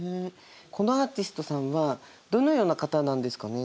このアーティストさんはどのような方なんですかね？